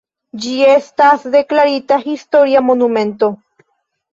Ĝi estas deklarita historia monumento.